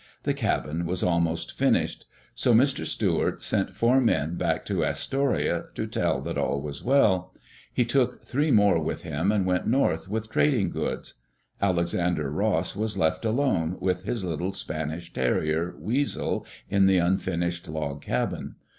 The cabin was almost finished. So Mr. Stuart sent four men back to Astoria to say that all was well. He took three more with him and went north with trading goods. Alexander Ross was left alone, with his little Spanish terrier, Weasel, in the unfinished log cabin.